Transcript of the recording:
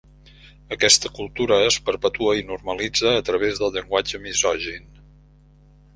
Aquesta cultura es perpetua i normalitza a través del llenguatge misogin.